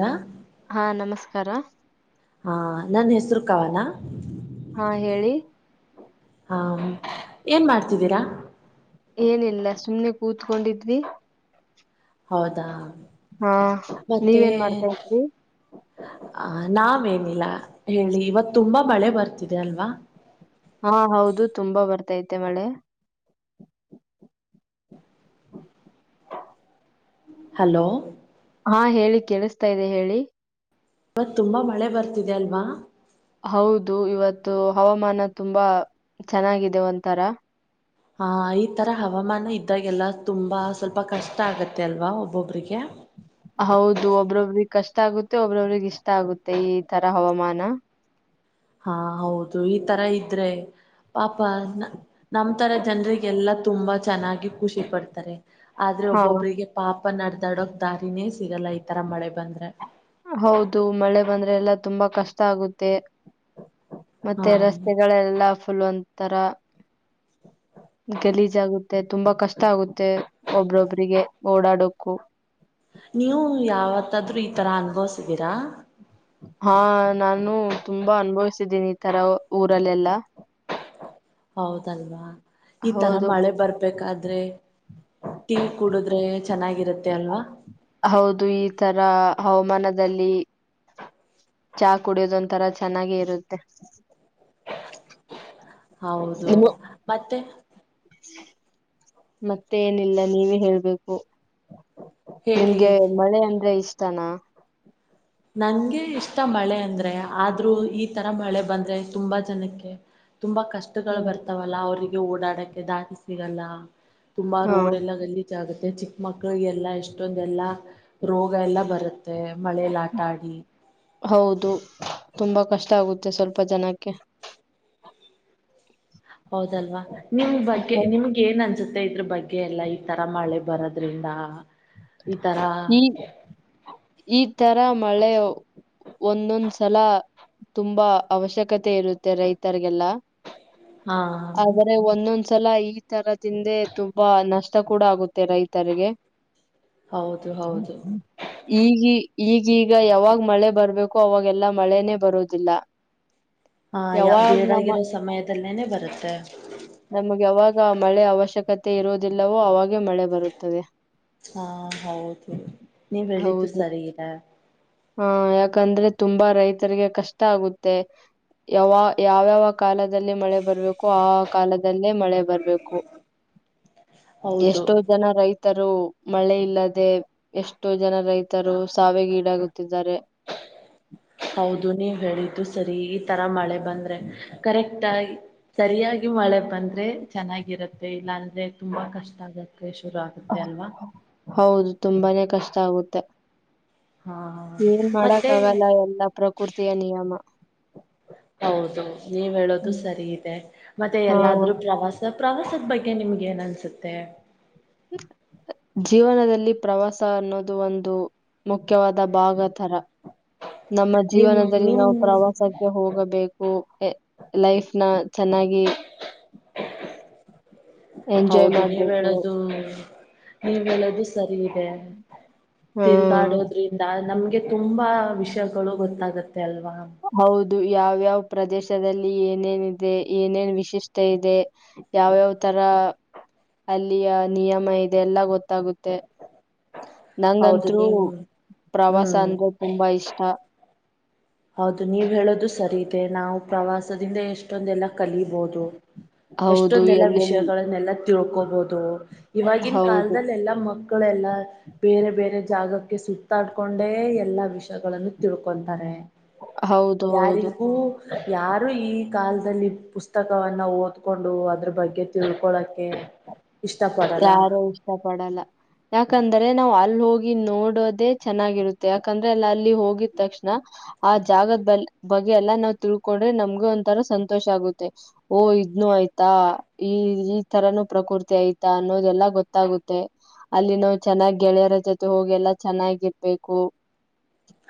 ಹಾ ಹಾ ನಮಸ್ತೆ ಕಾರ ಹಾ ನನ್ ಹೆಸರು ಕವಾನ ಹಾ ಹೇಳಿ. ಹಾ ಏನ್ ಮಾಡ್ತಿದ್ದೀರಾ ಏನಿಲ್ಲ ಸುಮ್ನೆ ಕೂತ್ಕೊಂಡಿದ್ವಿ ಹೌದಾ. ಹಾ ಮತ್ತೆ ನೀವೇನ್ ಮಾಡ್ತಾ ಇದ್ರಿ ಇಲ್ಲ ಹೇಳಿ ಇವತ್ ತುಂಬಾ ಮಳೆ ಬರ್ತಿದೆ ಅಲ್ವಾ. ಹಾ ಹೌದು ತುಂಬಾ ಬರ್ತದೆ ಬರ್ತೈತೆ ಮಳೆ ಹಲೋ. ಹಾ ಹೇಳಿ ಕೇಳಿಸತಾ ಇದೆ ಹೇಳಿ. ಮತ್ ತುಂಬಾ ಮಳೆ ಬರ್ತಿದೆ ಅಲ್ವಾ. ಹೌದು ಇವತ್ತು ಹವಾಮಾನ ತುಂಬಾ ಚೆನ್ನಾಗಿದೆ ಒಂತರಾ. ಹಾ ಈ ತರ ಹವಾಮಾನ ಇದ್ದಾಗೆಲ್ಲ ತುಂಬಾ ಸ್ವಲ್ಪ ಕಷ್ಟ ಆಗತ್ತೆ ಅಲ್ವಾ ಒಬ್ಬೊಬರಿಗೆ ಹೌದು ಒಬ್ರೊಬ್ರಿಗೆ ಕಷ್ಟ ಆಗುತ್ತೆ ಒಬ್ರೊಬ್ರಗ್ ಇಷ್ಟ ಆಗುತ್ತೆ ಈ ತರ ಹವಾಮಾನ ಹಾ ಹೌದು ಈ ತರ ಇದ್ರೆ ಪಾಪ ನಮ್ ತರ ಜನರಿಗೆಲ್ಲಾ ತುಂಬಾ ಚೆನ್ನಾಗಿ ಖುಷಿ ಪಡ್ತಾರೆ ಆದ್ರೆ ಹಾ ಒಬ್ಬೊಬ್ರರಿಗೆ ಪಾಪ ಪಾಪ ನಡ್ದಾಡಕ್ ದಾರಿನೇ ಸಿಗಲ್ಲ ಈತರ ಮಳೆ ಬಂದ್ರೆ ಹೌದು ಮಳೆ ಬಂದ್ರೆ ಎಲ್ಲಾ ತುಂಬಾ ಕಷ್ಟ ಆಗುತ್ತೆ. ಹಾ ಮತ್ತೆ ರಸ್ತೆಗಳೆಲ್ಲ ಫಲ ಒಂತರ ಗಲೀಜ ಆಗುತ್ತೆ ತುಂಬಾ ಕಷ್ಟ ಆಗುತ್ತೆ ಒಬ್ರೊಬ್ರರಿಗೆ ಓಡಾಡೋಕ್ಕು. ನೀವು ಯಾವತ್ತಾದ್ರೂ ತರ್ ಅಂಬೋವ್ಸ್ ಸಿಕಿರಾ ಹಾ ನಾನು ತುಂಬಾ ಅನ್ಭವಿಸಿದ್ದೀನಿ ಈ ತರ ಊರಲ್ಲೆಲ್ಲಾ ಹೌದಲ್ವಾ ಈ ತರ ಹೌದು ಮಳೆ ಬರ್ಬೇಕಾದ್ರೆ ಟೀ ಕುಡುದ್ರೆ ಚೆನ್ನಾಗಿರುತ್ತೆ ಅಲ್ವಾ ಹೌದು ಈ ತರ ಹವಾಮಾನದಲ್ಲಿ ಚಹ ಕುಡಿಯೋದೊಂತರ ಚೆನ್ನಾಗ ಇರುತ್ತೆ ಹೌದು ಇನ್ನು ಮತ್ತೆ [unintelligible] ಮತ್ತೆ ಏನಿಲ್ಲ ನೀವೇ ಹೇಳ್ಬೇಕು [unintelligible] ಹೇಳಿ ನಿಮ್ಗೆ ಮಳೆ ಅಂದ್ರೆ ಇಷ್ಟ ತನಾ ನನ್ಗೆ ಇಷ್ಟ ಮಳೆ ಅಂದ್ರೆ ಆದ್ರೂ ಈ ತರ ಮಳೆ ಬಂದ್ರೆ ತುಂಬಾ ಜನಕ್ಕೆ ತುಂಬಾ ಕಷ್ಟಗಳು ಹ್ಮ್ ಬರ್ತಾವಲ್ಲ ಅವ್ರಿ ಓಡಾಡಕ್ಕೆ ದಾರಿ ಸಿಗಲ್ಲ ತುಂಬಾ ಹಾ ರೋಡ್ ಎಲ್ಲಾ ಗಲ್ಲಿ ಇದಾಗುತ್ತೆ ಚಿಕ್ಕ ಮಕ್ಳಿಗೆಲ್ಲ ಎಷ್ಟೊಂದ ಎಲ್ಲಾ ರೋಗ ಎಲ್ಲಾ ಬರುತ್ತೆ ಮಳೆ [inaudible] ಹೌದು ತುಂಬಾ ಕಷ್ಟ ಗೊತ್ತಾಗುತ್ತೆ ಸ್ವಲ್ಪ ಜನಕ್ಕೆ [unintelligible] ಹೌದಲ್ವಾ ನಿಮ್ ಬಗ್ಗೆ ಹ. ನಿಮ್ಗೆ ಏನ್ ಅನ್ಸುತ್ತೆ ಇದ್ರ ಬಗ್ಗೆ ಎಲ್ಲಾ ಈ ತರ ಮಳೆ ಬರೋದ್ರಿಂದಾ... ಈತರಾ ಈ ಈ ತರ ಮಳೆ ಒಂದೊಂದ್ ಸಲ ತುಂಬಾ ಅವಶ್ಯಕತೆ ಇರುತ್ತೆ ರೈತರ್ರಿಗೆಲ್ಲ ಹಾ ಆದರೆ ಒಂದೊಂದು ಒಂದ್ಸಲ ಈ ತರದಿಂದೆ ತುಂಬಾ ನಷ್ಟ ಕೂಡ ಆಗುತ್ತೆ ರೈತರಿಗೆ ಹೌದು ಹೌದು [inaudible] ಈಗಿ ಈಗೀಗ ಯಾವಾಗ ಮಳೆ ಬರ್ಬೇಕೋ ಅವಾಗೆಲ್ಲಾ ಮಳೆನೆೇ ಬರೋದಿಲ್ಲ ಹಾ ಯ ಯಾವಾಗ್ ನಮ್ಮ ಬೇಡಾಗಿರೋ ಸಮಯದಲ್ಲೇನೇ ಬರುತ್ತೆ ನಮಗೆ ಯಾವಾಗ ಮಳೆ ಅವಶ್ಯಕತೆ ಇರುವುದಿಲ್ಲವೋ ಅವಾಗೆ ಮಳೆ ಬರುತ್ತದೆ. ಹಾ ಹೌದು ನೀವ್ ಹೇಳಿದ್ದು ಸರಿ ಇದೆ. ಹ ಯಾಕಂದ್ರೆ ತುಂಬಾ ರೈತರಿಗೆ ಕಷ್ಟ ಆಗುತ್ತೆ [inaudible] ಯಾವ್ಯಾವ ಕಾಲದಲ್ಲಿ ಮಳೆ ಬರ್ಬೇಕು ಆ ಕಾಲದಲ್ಲೇ ಮಳೆ ಬರ್ಬೇಕು ಹೌದು ಎಷ್ಟೋ ಜನ ರೈತ ತರೋ ಮಳೆ ಇಲ್ಲದೆ ಎಷ್ಟೋ ಜನ ರೈತರು ಸಾವಗೀಡಾಗುತ್ತಿದ್ದಾರೆ [unintelligible] ಹೌದು ನೀವ್ ಹೇಳಿದ್ದು ಸರಿ ಈ ತರ ಮಳೆ ಬಂದ್ರೆ ಕರೆಕ್ಟ್ ಆ ಸರಿಯಾಗಿ ಮಳೆ ಬಂದ್ರೆ ಚೆನ್ನಾಗಿರುತ್ತೆ ಇಲ್ಲ ಅಂದ್ ಅದೇ ತುಂಬ ಕಷ್ಟ ಆಗಕ್ಕೆ ಶುರು ಆಗುತ್ತೆ ಅಲ್ವಾ ಹೌದು ತುಂಬಾನೇ ಕಷ್ಟ ಆಗುತ್ತೆ ಹಾ ಏನ್ ಮಾಡಕ್ ಮತ್ತೆ ಆಗಲ್ಲ ಎಲ್ಲಾ ಪ್ರಕೃತಿಯ ನಿಯಮ ಹೌದು ನೀವ್ ಹೇಳೋದು ಹ್ಮ್. ಸರಿ ಇದೆ ಮತ್ತೆ ಹಾ ಎಲ್ಲಾದ್ರೂ ಪ್ರವಾಸ, ಪ್ರವಾಸದ ಬಗ್ಗೆ ನಿಮ್ಗೆ ಏನ್ ಅನ್ಸುತ್ತೆ.. ಜೀವನದಲ್ಲಿ ಪ್ರವಾಸ ಅನ್ನೋದು ಒಂದು ಮುಖ್ಯವಾದ ಭಾಗತರ. ನಮ್ಮ ನಿಮ್ ಜೀವನದಲ್ಲಿ ನಿಮ್ ನಾವು ಪ್ರವಾಸಕ್ಕೆ ಹೋಗಬೇಕು. ಓಕೆ.. ಲೈಫ್ನ ಚೆನ್ನಾಗಿ ಎಂಜಾಯ್ ಹೌದು ನೀವ್ ಮಾಡ್ಬೇಕು ಹೇಳದು.. ನೀವ್ ಹೇಳದು ಸರಿ ಇದೆ. ಹ್ಮ್ ತಿರುಗಾಡೋದ್ರಿಂದ ನಮ್ಗೆ ತುಂಬಾ ವಿಷಯ.. ಜಗಗಳು, ಗೊತ್ತಾಗುತ್ತೆ?.. ತ್ತೆ ಅಲ್ವಾ?.... ಆದು, ಯಾವ್ಯಾವ! ಪ್ರದೇಶದಲ್ಲಿ, ಏನೇನ, ಇದೆ. ಏನೇನ್ ವಿಶಿಷ್ಟ? ಇದೆ ಯಾವ್ಯಾವ ತರ ಅಲ್ಲಿಯ, ನಿಯಮ ಇದೆ ಎಲ್ಲ ಗೊತ್ತಾಗುತ್ತೆ.... ಹೌದು ನಂಗಂತರು, ನೀವ್ ಪ್ರವಾಸ? ಹ್ಮ್ ಅಂದ್ರೆ ತುಂಬಾ ಇಷ್ಟ... ಹೌದು ನೀವು ಹೇಳೋದು ಸರಿ ಇದೆ. ನಾವು ಪ್ರವಾಸದಿಂದ! ಎಷ್ಟೊಂದೆಲ್ಲ, ಕಲಬೋದು.... ಹೌದು ಎಷ್ಟೊಂದೆಲ್ಲ ಎಲ್ಲೆಲ್ ವಿಷಯಗಳನ್ನೆಲ್ಲ, ತಿಳ್ಕೋ... ಕೋ ಬಹುದು... ಇವಾಗಿನ, ಹೌದು ಕಾಲದದಲ್ಲಿ. ಎಲ್ಲಾ ಮಕ್ಕಳೆಲ್ಲ, ಬೇರೆ ಬೇರೆ, ಜಾಗಕ್ ಈಗೆ, ಸುತ್ತಾಡ್ಕೊಂಡೆ, ಎಲ್ಲಾ ವಿಷಯಗಳನ್ನು ತಿಳ್ಕೊಂತಾರೆ. ಹೌದು ಹೌದು ಯಾರಿಗೂ ಯಾರು, ಈ.. ಕಾಲದಲ್ಲಿ ಪುಸ್ತಕವನ್ನ ಓದ್ಕೊಂಡು ಅದ್ರು ಬಗ್ಗೆ, ತಿಳ್ಕೊಳಕೆ, ಇಷ್ಟ. ಪಡಲ್ಲ ಯಾರು, ಇಷ್ಟ ಪಡಲ್ಲ ಯಾಕಂದ್ರೆ ಅಂದರೆ, ನಾವ್ ಅಲ್ಲಿ ಹೋಗಿ ನೋಡೋದೆೇ ಚೆನ್ನಾಗಿರುತ್ತೆ ಯಾಕಂದ್ರೆ ಅಲ್ಲ ಅಲ್ಲಿ ಹೋಗಿದ ತಕ್ಷಣ, ಆ ಜಾಗದ ಬ ಬಗ್ಗೆ ಎಲ್ಲಾ ನಾವ್ ತಿಳ್ಕೊಂಡ್ರೆ ನಮ್ಗೆ ಒಂಥರ ಸಂತೋಷ, ಆಗುತ್ತೆ ಓ! ಇದ್ನು ಆಯ್ತಾ ಈ ಈ ತರನುೂ ಪ್ರಕೃತಿ ಆಯ್ತ. ಅನ್ನೋದೆಲ್ಲಾ ಗೊತ್ತಾಗುತ್ತೆ. ಅಲ್ಲಿ ನಾವು ಚೆನ್ನಾಗಿ, ಗೆಳೆಯರ ಜೊತೆ ಹೋಗಿ ಎಲ್ಲಾ ಚೆನ್ನಾಗಿರ್ಬೇಕು.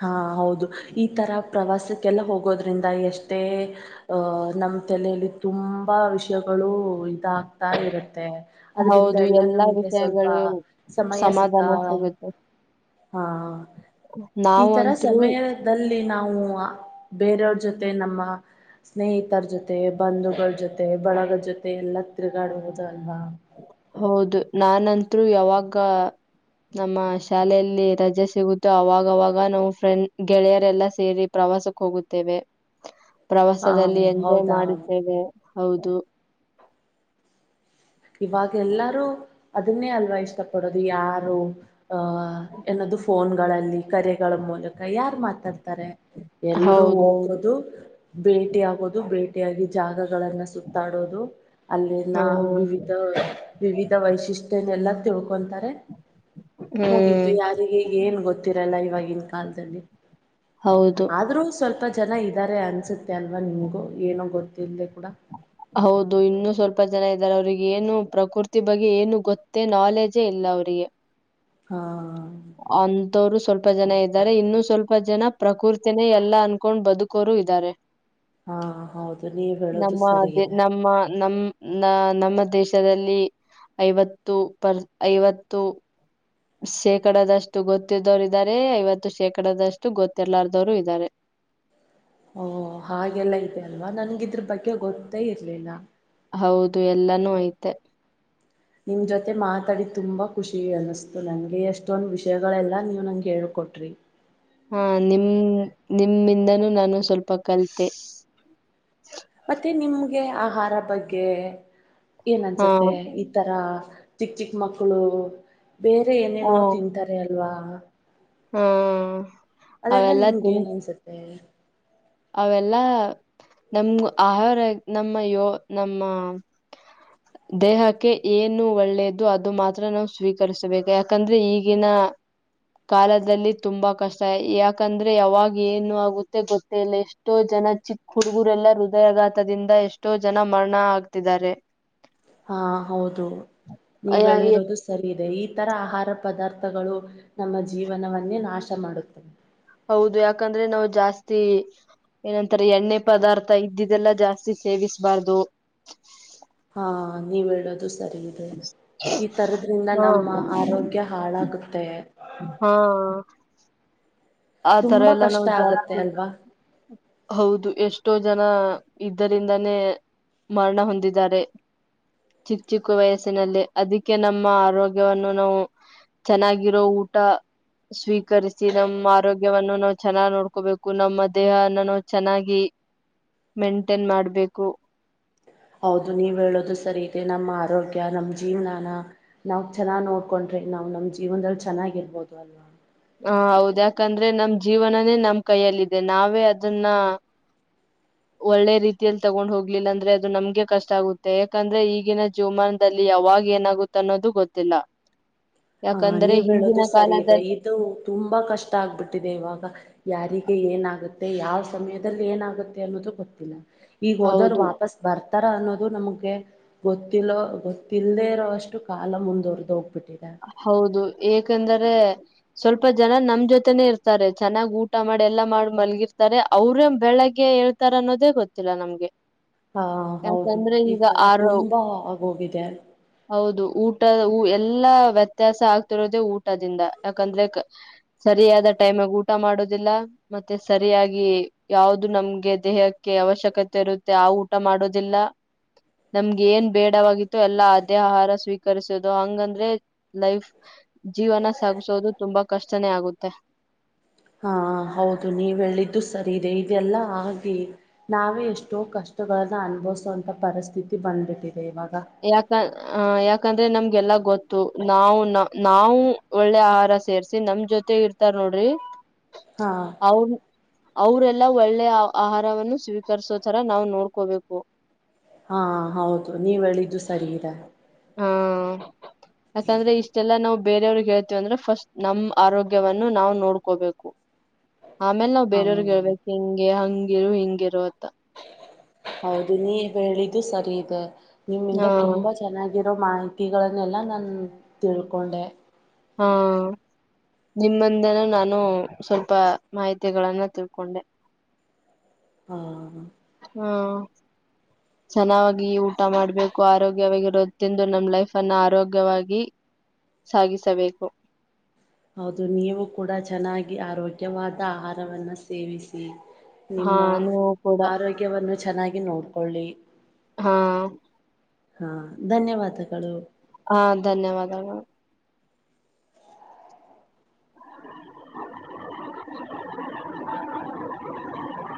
ಹಾ, ಹೌದು. ಈ, ತರ ಪ್ರವಾಸಕ್ಕೆಲ್ಲ ಹೋಗೋದ್ರಿಂದ ಎಷ್ಟೇ ಅ ನಮ್ಮ ತಲೆಯಲ್ಲಿ ತುಂಬಾ ವಿಷಯಗಳು. ಇದಾಗಗ್ತಾ, ಇರುತ್ತೆ. ಅದ್ರಂದ ಹೌದು ಎಲ್ಲಾ ನಮ್ಗೆ ಸ್ವಲ್ಪ ವಿಷಯಗಳು ಸಮಯ, ಸಿಕ್ಕ. ಸಮಾಧಾನ ಸಿಗುತ್ತೆ ಹಾ! ಈ, ತರ ನಾವಂತ್ರು ಸಮಯದಲ್ಲಿ. ನಾವು. ಬೇರೆಯವ್ರ, ಜೊತೆ, ನಮ್ಮ. ಸ್ನೇಹಿತರ ಜೊತೆ. ಜೊತೆ, ಬಂಧುಗಳ. ಜೊತೆ ಬಳಗದ ಜೊತೆ ಎಲ್ಲ ತಿರುಗಿ, ಆಡಬಹುದು, ಅಲ್ವಾ.. ಹೌದು! ನಾನಂತೂ? ಯಾವಾಗ ನಮ್ಮ ಶಾಲೆಯಲ್ಲಿ, ರಜೆ ಸಿಗುತ್ತೋ. ಅವಾಗವಾಗ ನಾವು ಫ್ರೆಂಡ್ ಗೆಳೆಯರೆಲ್ಲ, ಸೇರಿ ಪ್ರವಾಸಕ್ ಹೋಗುತ್ತೇವೆ. ಹ ಪ್ರವಾಸದಲ್ಲಿ, ಎಂಜಾಯ್, ! ಹೌದಾ ಮಾಡುತ್ತೇವೆ.. ಹೌದು. ಇವಾಗ, ಎಲ್ಲಾರೂ. ಅದನ್ನೇ, ಅಲ್ವಾ ಇಷ್ಟಪಡೋದು! ಯಾರು ಅಹ ಅದು, ಏನದು ಫೋನ್ಗಳಲ್ಲಿ, ಕರೆಗಳ ಮೂಲಕ.. ಯಾರು, ಮಾತಾಡ್ತಾರೆ? ಎಲ್ರೂ ಹೌದೌದು ಹೋಗೋದು. [inaudible] ಭೇಟಿಿಯಗೋದು, ಭೇಟಿಯಾಗಿ, ಜಾಗಗಳನ್ನ ಸುತ್ತಾಡೋದು? ಅಲ್ಲಿ, ಹ ನ ಬೀ ವಿವಿಧ, ವೈಶಿಷ್ಟ್ಯನೆಲ್ಲ?.. [inaudible] ಹ.. [inaudible] ಆತಾರೆ, ಮುಗಿತು ಹ್ಮ್ ಯಾರಿಗೆ ಏನ್ ಗೊತ್ತಿರಲ್ಲ, [inaudible] ಇವಾಗ?.. ಇನ್ ಕಾಲ್ತಲ್ಲಿ. ಹೌದು ಆದ್ರೂ ಸ್ವಲ್ಪ ಚೆನ್ನ ಇದ್ದಾರೆ ಅನ್ಸುತ್ತ್ ಅಲ್ವಾ ನಿಮ್ಗೂ ಏನೋ ಗೊತ್ತ ಇಲ್ಲೆ ಹೌದು ಇನ್ನು ಸ್ವಲ್ಪ ಸ್ವಲ್ಪ ಜನ ಇದಾರೆ ಅವ್ರಿಗೆ ಏನು ಪ್ರಕೃತಿ ಬಗ್ಗೆ ಏನು ಗೊತ್ತೇ ನಾಲೆಜೇ ಇಲ್ಲ ಅವ್ರಿಗೆ ಹಾ ಸ್ವಲ್ಪ ಜನ ಇದ್ದಾರೆ ಇನ್ನುೂ ಸ್ವಲ್ಪ ಜನ ಪ್ರಕೃತಿನೇ ಎಲ್ಲಾ ಅನ್ಕೊಂಡ್ ಬದುಕೋರು ಇದ್ದಾರೆ ಹಾ ಹೌದು ನೀವ್ ಹೇಳೋದು ನಮ್ಮ ಸರಿ ದೇ ಇದೆ ನಮ್ಮ ನಮ್ ನ ನಮ್ಮ ದೇಶದಲ್ಲಿ ಐವತ್ತು ಪರ್ ಐವತ್ತು ಸೆ ಶೇಕಡದಷ್ಟು ಗೊತ್ತಿದವರು ಇದಾರೆ ಐವತ್ತು ಶೇಕಡದಷ್ಟು ಗೊತ್ತಿರ್ಲಾರದವರು ಇದ್ದಾರೆ ಓ ಹಾಗೆಲ್ಲ ಇದೆ ಅಲ್ವಾ ನನ್ಗಿದ್ರ ಬಗ್ಗೆ ಗೊತ್ತೇ ಇರ್ಲಿಲ್ಲ ಹೌದು ಎಲ್ಲಾನೂ ಐತೆ ನಿಮ್ ಜೊತೆ ಮಾತಾಡಿ ತುಂಬಾ ಖುಷಿ ಅನ್ನಿಸಿತು ನಂಗೆ ಎಷ್ಟೊಂದ ವಿಷಯಗಳೆಲ್ಲಾ ನೀವ್ ನಂಗೆ ಹೇಳ್ಕೊಟ್ರಿ ಹಾ ನಿಮ್ ನಿಮ್ಮಿಂದನೂ ನಾನು ಸ್ವಲ್ಪ ಕಲ್ತೆ ಗೆ ಆಹಾರ ಬಗ್ಗೆ ಏನ್ ಹಾ ಅನ್ಸುತ್ತೆ ಈ ತರ ಚಿಕ್ ಚಿಕ್ ಮಕ್ಕಳು ಬೇರೆ ಏನೇನೋ ತಿಂತಾರೆ ಅಲ್ವಾ ಹ್ಮ ಅದೆಲ್ಲ ನಿಮ್ಗೆ ಏನ್ ಅನ್ಸುತ್ತೆ ಅವೆಲ್ಲ ನಮ್ ಆಹಾರ ನಮ್ಮ ಯೋ ನಮ್ಮ ದೇಹಕ್ಕೆ ಏನು ಒಳ್ಳೆಯದು ಅದು ಮಾತ್ರ ನಾವು ಸ್ವೀಕರಿಸಬೇಕು ಯಾಕಂದ್ರೆ ಈಗಿನ ಕಾಲದಲ್ಲಿ ತುಂಬಾ ಕಷ್ಟ ಯಾಕಂದ್ರೆ ಯಾವಾಗ ಏನು ಆಗುತ್ತೆ ಗೊತ್ತ ಮತ್ತಲ್ಲ ಎಷ್ಟೋ ಜನ ಚಿಕ್ ಹುಡುಗುರೆಲ್ಲಾ ಹೃದಯಾಘಾತದಿಂದ ಎಷ್ಟೋ ಜನ ಮರಣ ಆಗ್ತಿದ್ದಾರೆ ಹಾ ಹೌದು ನೀವು ಯಾ- ಎ- ಹೇಳಿರದು ಸರಿ ಇದೆ ಈ ತರ ಆಹಾರ ಪದಾರ್ಥಗಳು ನಮ್ಮ ಜೀವನವನ್ನೇ ನಾಶ ಮಾಡುತ್ತವೆ ಹೌದು ಯಾಕಂದ್ರೆ ನಾವು ಜಾಸ್ತಿ ಏನಂತಾರೆ ಎಣ್ಣೆ ಪದಾರ್ಥ ಇದ್ದಿದೆಲ್ಲಾ ಜಾಸ್ತಿ ಸೇವಿಸ್ಬಾರ್ದು ಹಾ ನೀವ ಹೇಳೋದು ಸ ಸರಿ ಇದೆ ಈ ತರದ್ರಿಂದ ಹಾ ನಮ್ಮ ಆರೋಗ್ಯ ಹಾಳಾಗುತ್ತೆ ಹಾ ಆ ತರ ತುಂಬಾ ಎಲ್ಲ ಕಷ್ಟ ನಾವು ಆಗತ್ತೆ ಜಾಸ್ತಿ ಅಲ್ವಾ ಹೌದು ಎಸ್ಟ್ ಎಷ್ಟೋ ಜನ ಇದ್ದರಿಂದಾನೇ ಮರಣ ಹೊಂದಿದ್ದಾರೆ ಚಿಕ್ಕ ಚಿಕ್ಕ ವಯಸ್ಸಿನಲ್ಲಿ ಅದಕ್ಕೆ ನಮ್ಮ ಆರೋಗ್ಯವನ್ನು ನಾವು ಚೆನ್ನಾಗಿರೋ ಊಟ ಸ್ವೀಕರಿಸಿ ನಮ್ಮ ಆರೋಗ್ಯವನ್ನು ನಾವ್ ಚೆನ್ನಾಗ್ ನೋಡ್ಕೋಬೇಕು ನಮ್ಮ ದೇಹನ್ನ ನಾವು ಚೆನ್ನಾಗಿ ಮೇಂಟೈನ್ ಮಾಡ್ಬೇಕು ಹೌದು ನೀವ್ ಹೇಳೋದು ಸರಿ ಇದೆ ನಮ್ಮ ಆರೋಗ್ಯ ನಮ್ ಜೀವ್ನಾನ ನಾವ್ ಚೆನ್ನಾಗ್ ನೋಡ್ಕೊಂಡ್ರಿ ನಾವ್ ನಮ್ ಜೀವನದಲ್ಲಿ ಚೆನ್ನಾಗಿರ್ಬೋದು ಅಲ್ವಾ ಹ ಹೌದ ಯಾಕಂದ್ರೆ ನಮ್ ಜೀವನನೇ ನಮ್ ಕೈಯಲ್ಲಿದೆ ನಾವೇ ಅದನ್ನ ಒಳ್ಳೆ ರೀತಿಯಲ್ಲಿ ತಗೊಂಡ್ ಹೋಗ್ಲಿಲ್ಲ ಅಂದ್ರೆ ಅದು ನಮ್ಗೆ ಕಷ್ಟ ಆಗುತ್ತೆ ಯಾಕಂದ್ರೆ ಈಗಿನ ಜೀವಮನದಲ್ಲಿ ಯಾವಾಗ ಏನಾಗುತ್ತ ಅನ್ನೋದು ಗೊತ್ತಿಲ್ಲ ಹ ಯಾಕಂದ್ರೆ ನೀವ ಹೇಳೋದು ಹಿಂದಿನ ಸರಿ ಇದೆ ಕಾಲದಲ್ಲಿ ಇದು ತುಂಬಾ ಕಷ್ಟ ಆಗ್ಬಿಟ್ಟಿದೆ ಇವಾಗ ಯಾರಿಗೆ ಏನಾಗುತ್ತೆ ಅದೆ ಯಾವ ಸಮಯದಲ್ಲಿ ಏನಾಗುತ್ತೆ ಅನ್ನೋದು ಗೊತ್ತಿಲ್ಲ ಈಗ ಹೋದೋರು ಹೌದು ವಾಪಸ್ ಬರ್ತ ತರ ಅನ್ನೋದು ನಮಗೆ ಗೊತ್ತಿಲ್ಲೋ ಗೊತ್ತಿಲ್ಲದೇ ಇರೋಷ್ಟು ಕಾಲ ಮುಂದುವರ್ದು ಹೋಗ್ಬಿಟ್ಟಿದೆ ಹೌದು ಏಕಂದ್ರೆ ಸ್ವಲ್ಪ ಜನ ನಮ್ ಜೊತೆನೆೇ ಇರ್ತಾರೆ ಚೆನ್ನಾಗ್ ಊಟ ಮಾಡಿ ಎಲ್ಲಾ ಮಾಡಿ ಮಲ್ಗಿರ್ತಾರೆ ಅವ್ರೇ ಬೆಳಗ್ಗೆ ಹೇಳ್ತಾರ ಅನ್ನೋದೇ ಗೊತ್ತಿಲ್ಲ ನಮ್ಗೆ ಹಾ ಹೌದು ಯಾಕಂದ್ರೆ ಈ ಈಗ ತರ ಆರೋ ತುಂಬಾ ಆಗೋಗಿದೆ ಹ ಎಲ್ಲಾ ವ್ಯತ್ಯಾಸ ಆಗ್ತಿರೋದೇ ಊಟದಿಂದ ಯಾಕಂದ್ರೆ ಸರಿಯಾದ ಟೈಮ್ ಆಗ ಊಟ ಮಾಡೋದಿಲ್ಲ ಮತ್ತೆ ಸರಿಯಾಗಿ ಯಾವ್ದ ನಮ್ಗೆ ದೇಹಕ್ಕೆ ಅವಶ್ಯಕತೆ ಇರುತ್ತೆ ಆ ಊಟ ಮಾಡೋದಿಲ್ಲ ನಮ್ಗೆ ಏನ್ ಬೇಡವಾಗಿ ಎಲ್ಲ ಆದ್ಯ ಆಹಾರ ಸ್ವೀ ಕಸೋುದು ಹಂಗಂದ್ರೆ ಲೈಫ್ ಜೀವನ ಸಾಗಿಸುವೋುದು ತುಂಬಾ ಕಷ್ಟನೇ ಆಗುತ್ತೆ ಹಾ ಹೌದು ನೀವ ಹೇಳಿದ್ದು ಸರಿ ಇದೆ ಇದೆಲ್ಲಾ ಆಗಿ ನಾವೇ ಎಷ್ಟೋ ಕಷ್ಟಗಳನ್ನ ಅನ್ಭವಸಂತ ಪರಿಸ್ಥಿತಿ ಬಂದ್ಬಿಟ್ಟ ಯಾಕ ಯಾಕ ಆದ್ರೆ ನಮ್ಗೆಲ್ಲಾ ಗೊತ್ತು ನಾವವು ನ ನಾವವು ಒಳ್ಳೆ ಆಹಾರ ಸೇರ್ಸಿ ನಮ ಜೊತೆ ಇರ್ತಾರ ನೋಡ್ರಿ ಹಾ ಹೌದು ಅವರೆಲ್ಲ ಒಳ್ಳೆಯ ಆಹಾರವನ್ನು ಸ್ವೀಕರಿಸೋತರ ನಾವು ನೋಡ್ಕೋಬೇಕು ಹಾ ಹೌದು ನೀವ ಹೇಳಿದ್ದು ಸರಿ ಇದೇ ಹ್ಮ ಅಕಂದ್ರೆ ಇಷ್ಟೆಲ್ಲಾ ನಾವು ಬೇರೆಯವ್ರಿಗೆ ಹೇಳ್ತೇವಿ ಅಂದ್ರೆ ಫಸ್ಟ್ ನಮ್ ಆರೋಗ್ಯವನ್ನು ನಾವವು ನೋಡ್ಕೋಬೇಕು ಆಮೇಲೆ ನಾವ್ ಹ ಬೇರೆಯವರ್ಗ್ ಹೇಳ್ಬೇಕು ಹೆಿಂಗೆ ಹ ಹಂಗಿರು ಹಿಂಗಿರುವಂತ ಹೌದು ನೀವು ಹೇಳಿದ್ದು ಸರಿ ಇದೆ ನಿಮ್ಮಿಂದ ಹಾ ತುಂಬಾ ಚೆನ್ನಾಗಿರೋ ಮಾಹಿತಿ ಕಿಗಳನ್ನೆಲ್ಲಾ ನಾನು ತಿಳ್ಕೊಂಡೆ ಹಾ ನಿಮ್ಮಂದನ ನಾನು ಸ್ವಲ್ಪ ಮಾಹಿತಿಗಳನ್ನ ತಿಳ್ಕೊಂಡೆ ಹಾ ಹಾ ಚೆನ್ನಾಗಿ ಈ ಊಟ ಮಾಡ್ಬೇಕು ಆರೋಗ್ಯವಾಗಿರುತ್ತೆಂದು ನಮ್ಮ ಲೈಫ್ ಅನ್ನು ಆರೋಗ್ಯವಾಗಿ ಸಾಗಿಸಬೇಕು ಹೌದು ನೀವು ಕೂಡ ಚೆನ್ನಾಗಿ ಆರೋಗ್ಯವಾದ ಆಹಾರವನ್ನ ಸೇವಿಸಿ ಹಾ ನಿಮ್ಮ ನೀವು ಕೂಡ ಆರೋಗ್ಯವನ್ನು ಚೆನ್ನಾಗಿ ನೋಡ್ಕೊಳ್ಳಿ ಹಾ ಹಾ ಧನ್ಯವಾದಗಳು ಹಾ ಧನ್ಯವಾದಗಳು [inaudible]